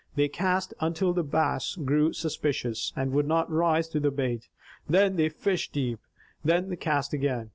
They cast until the Bass grew suspicious, and would not rise to the bait; then they fished deep. Then they cast again.